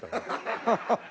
アハハハ。